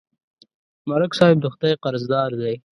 ملک صاحب د خدای قرضدار دی.